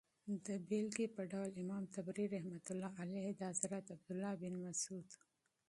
دمثال په ډول امام طبري رحمة الله عليه دحضرت عبدالله بن مسعود